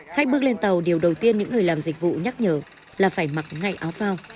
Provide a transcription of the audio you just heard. khách bước lên tàu điều đầu tiên những người làm dịch vụ nhắc nhở là phải mặc ngay áo phao